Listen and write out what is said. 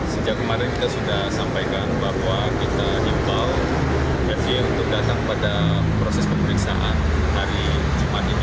sejak kemarin kita sudah sampaikan bahwa kita himbau f y untuk datang pada proses pemeriksaan hari jumat ini